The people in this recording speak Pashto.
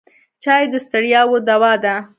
چای د ستړیاوو دوا ده.